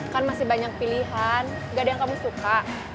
kan masih banyak pilihan gak ada yang kamu suka